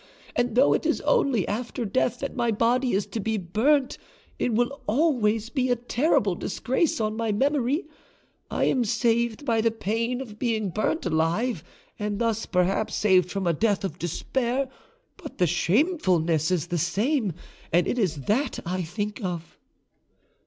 And though it is only after death that my body is to be burnt, it will always be a terrible disgrace on my memory. I am saved the pain of being burnt alive, and thus, perhaps, saved from a death of despair, but the shamefulness is the same, and it is that I think of."